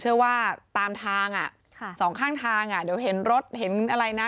เชื่อว่าตามทางสองข้างทางอ่ะเดี๋ยวเห็นรถเห็นอะไรนะ